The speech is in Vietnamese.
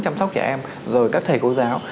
giám sốc trẻ em rồi các thầy cô giáo